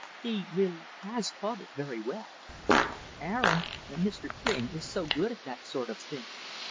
"He really has caught it very well. Aaron Mr. King is so good at that sort of thing.